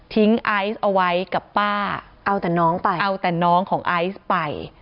ไอซ์เอาไว้กับป้าเอาแต่น้องไปเอาแต่น้องของไอซ์ไป